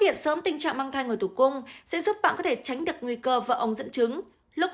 hiện sớm tình trạng mang thai ngoài tử cung sẽ giúp bạn có thể tránh được nguy cơ vỡ ống dẫn chứng lúc